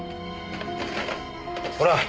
ほら！